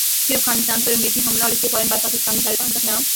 پھر افغانستان پر امریکی حملہ اور اسکے فورا بعد پاکستانی طالبان کا قیام ۔